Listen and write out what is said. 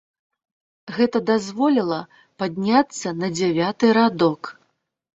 Гэта дазволіла падняцца на дзявяты радок.